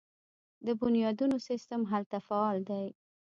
د بنیادونو سیستم هلته فعال دی.